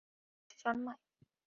টাকা কি গাছে জন্মায়?